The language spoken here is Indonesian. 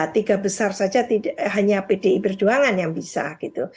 tiga besar saja hanya pdi perjuangan yang bisa gitu